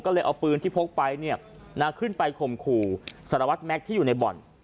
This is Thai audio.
ก็เลยเอาปืนที่พกไปเนี่ยนะขึ้นไปข่มขู่สารวัตรแม็กซ์ที่อยู่ในบ่อน